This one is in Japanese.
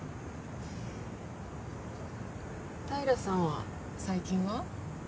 平さんは最近は？